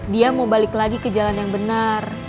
dia mau balik lagi ke jalan yang benar